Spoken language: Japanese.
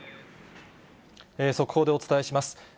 速報でお伝えします。